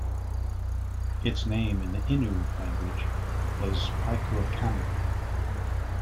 Its name in the Innu language is Piekuakami.